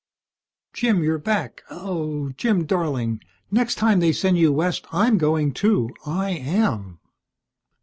"Jim, you're back! Oh, Jim, darling. Next time they send you west I'm going too. I am!"